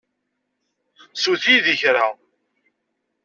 Swet yid-i kra.